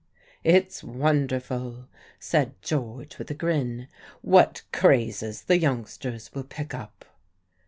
"It's wonderful," said George, with a grin, "what crazes the youngsters will pick up."